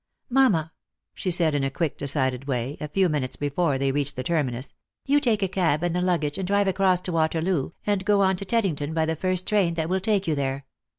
" Mamma," she said, in a quick decided way, a few minutes before they reached the terminus, " you take a cab and the luggage, and drive across to Waterloo, and go on to Teddington by the first train that will take you there.